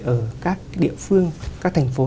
ở các địa phương các thành phố